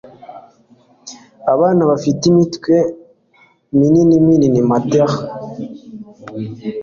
abana bafite imitwe mininimatel